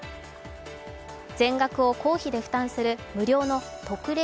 全額を公費で負担する無料の特例